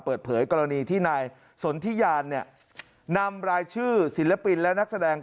เปิดเผยกรณีที่นายสนทิยานเนี่ยนำรายชื่อศิลปินและนักแสดง